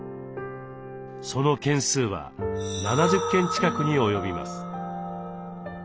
その件数は７０件近くに及びます。